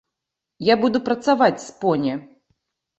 Я буду працаваць з поні.